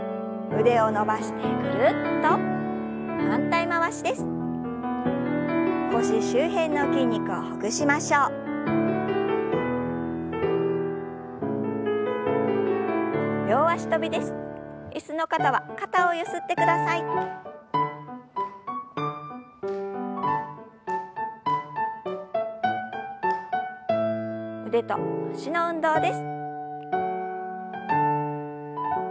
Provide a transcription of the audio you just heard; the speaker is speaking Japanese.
腕と脚の運動です。